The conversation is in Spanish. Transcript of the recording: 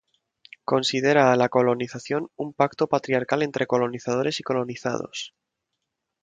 Considera a la colonización un pacto patriarcal entre colonizadores y colonizados.